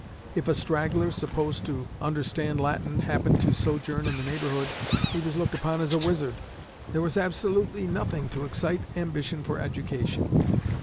If a straggler, supposed to understand Latin, happened to sojourn in the neighborhood, he was looked upon as a wizard. There was absolutely nothing to excite ambition for education.